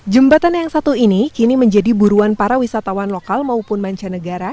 jembatan yang satu ini kini menjadi buruan para wisatawan lokal maupun mancanegara